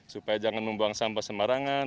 supaya jangan membuang sampah sembarangan